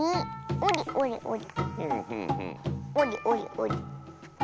おりおりおり。